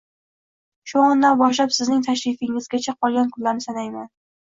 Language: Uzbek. Shu ondan boshlab sizning tashrifingizgacha qolgan kunlarni sanayman